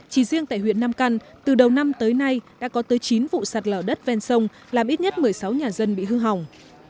chỉ riêng tại huyện nam căn từ đầu năm tới nay đã có tới chín vụ sạt lở đất ven sông làm ít nhất một mươi sáu nhà dân bị hư hỏng